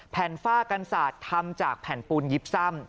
ฝ้ากันศาสตร์ทำจากแผ่นปูนยิบซ่ำ